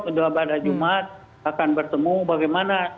kedua pada jumat akan bertemu bagaimana